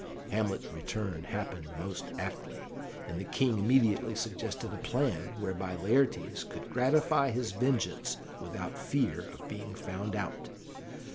Hamlet's return happened most aptly, and the King immediately suggested a plan whereby Laertes could gratify his vengeance without fear of being found out.